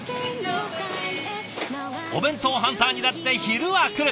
お弁当ハンターにだって昼はくる。